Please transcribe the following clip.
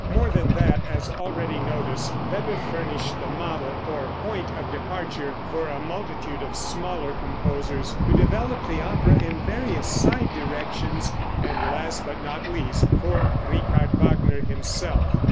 More than that, as already noticed, Weber furnished the model, or point of departure, for a multitude of smaller composers, who developed the opera in various side directions; and last, but not least, for Richard Wagner himself.